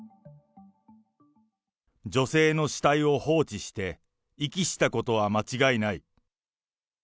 女性の死体を放置して遺棄したことは間違いない。